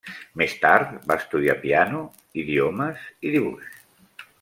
Més tard, va estudiar piano, idiomes i dibuix.